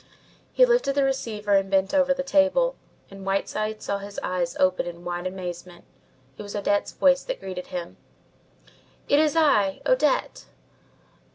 He lifted the receiver and bent over the table, and Whiteside saw his eyes open in wide amazement. It was Odette's voice that greeted him. "It is I, Odette!"